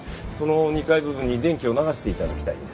その２階部分に電気を流して頂きたいんです。